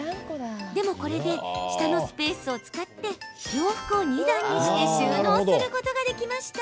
でもこれで下のスペースを使って洋服を２段にして収納することができました。